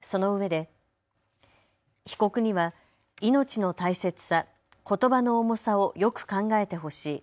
そのうえで被告には命の大切さ、ことばの重さをよく考えてほしい。